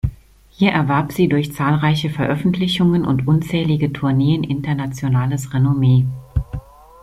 Hier erwarb sie durch zahlreiche Veröffentlichungen und unzählige Tourneen internationales Renommee.